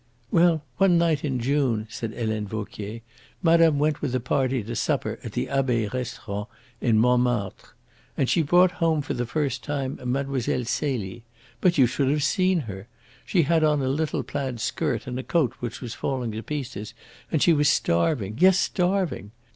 "Well, one night in June," said Helene Vauquier, "madame went with a party to supper at the Abbaye Restaurant in Montmartre. And she brought home for the first time Mlle. Celie. But you should have seen her! She had on a little plaid skirt and a coat which was falling to pieces, and she was starving yes, starving.